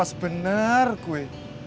apa sebenar gue